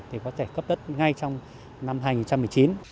thì có thể cấp đất ngay trong năm hai nghìn một mươi chín